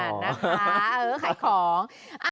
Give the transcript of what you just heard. เออขายของ